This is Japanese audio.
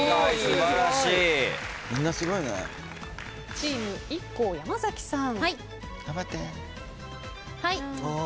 チームＩＫＫＯ山崎さん。